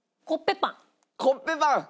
コッペパン。